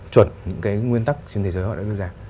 chuẩn những cái nguyên tắc trên thế giới họ đã đưa ra